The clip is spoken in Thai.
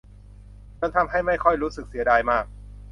จนทำให้ไม่ค่อยรู้สึกเสียดายมาก